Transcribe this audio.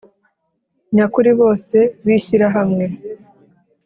nyakuri bose b Ishyirahamwe